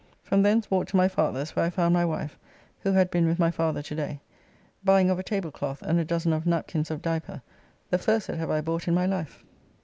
From thence walked to my father's, where I found my wife, who had been with my father to day, buying of a tablecloth and a dozen of napkins of diaper the first that ever I bought in my life.